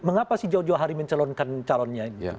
mengapa sih jauh jauh hari mencalonkan calonnya